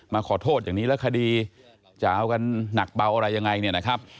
มาขอโทษอย่างนี้และคดีจะเอามาหนักเปล่าอะไรยังไง